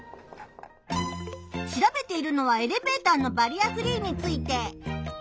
調べているのはエレベーターのバリアフリーについて。